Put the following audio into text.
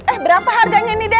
eh berapa harganya nih de